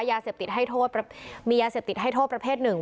ยาเสพติดให้โทษมียาเสพติดให้โทษประเภทหนึ่ง